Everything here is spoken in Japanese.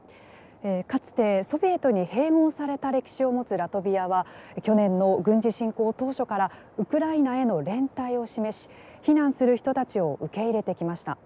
かつて、ソビエトに併合された歴史を持つラトビアは去年の軍事侵攻当初からウクライナへの連帯を示し避難する人たちを受け入れてきました。